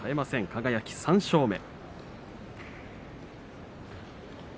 輝、３勝目。